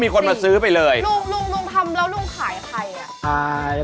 พี่ฟอยก็เอาเลยวันนี้